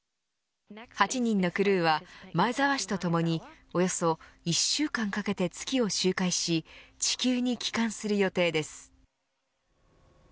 ８人のクルーは前澤氏とともにおよそ１週間かけて月を周回し地球に帰還する予定です。